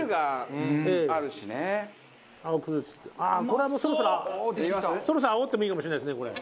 これはもうそろそろそろそろ煽ってもいいかもしれないですねこれ。